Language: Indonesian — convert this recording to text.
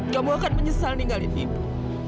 kamu akan menyesal ninggalin ibu